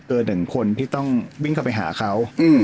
หนึ่งคนที่ต้องวิ่งเข้าไปหาเขา